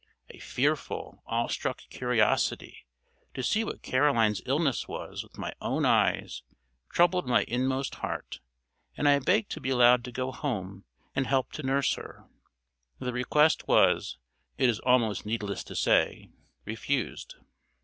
A fearful, awe struck curiosity to see what Caroline's illness was with my own eyes troubled my inmost heart, and I begged to be allowed to go home and help to nurse her. The request was, it is almost needless to say, refused.